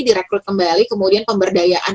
direkrut kembali kemudian pemberdayaan